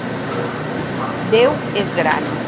Déu és gran.